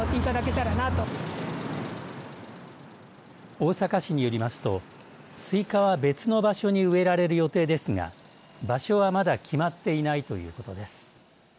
大阪市によりますとスイカは別の場所に植えられる予定ですが場所はまだ決まっていないということです。